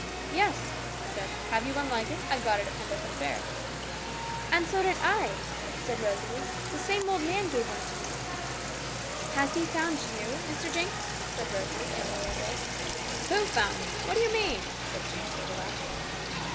'Yes,' he said; 'have you one like it? I got it at Pendleton fair.' 'And so did I,' said Rosalie; the same old man gave one to me. 'Has He found you, Mr. Jinx?' said Rosalie, in a lower voice. 'Who found me? what do you mean?' said Jinx, with a laugh.